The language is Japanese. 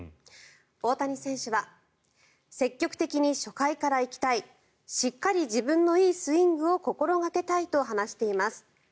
大谷選手は積極的に初回から行きたいしっかり自分のいいスイングを心掛けたいと話しています。